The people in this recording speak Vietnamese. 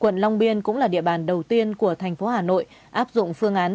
quận long biên cũng là địa bàn đầu tiên của thành phố hà nội áp dụng phương án